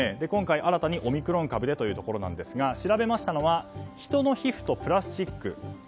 今回、新たにオミクロン株でということなんですが調べましたのは人の皮膚とプラスチック。